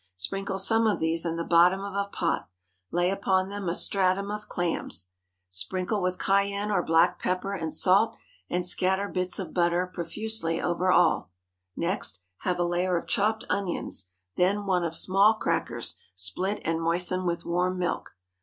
Sprinkle some of these in the bottom of a pot; lay upon them a stratum of clams; sprinkle with cayenne or black pepper and salt, and scatter bits of butter profusely over all; next, have a layer of chopped onions, then one of small crackers, split and moistened with warm milk.